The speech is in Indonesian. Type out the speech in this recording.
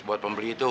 buat pembeli itu